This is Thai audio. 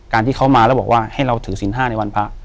ที่เขามาแล้วบอกว่าให้เราถือสิน๕ในวันพระ